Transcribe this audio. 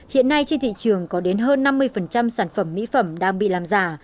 hiện nay trên thị trường có đến hơn năm mươi sản phẩm mỹ phẩm đang bị làm giả